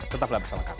tetaplah bersama kami